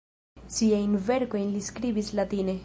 Siajn verkojn li skribis latine.